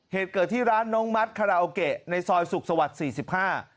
เหตุเกิดที่ร้านน้องมัดคาราโอเกะในซอยสุขสวรรค์สี่สิบห้า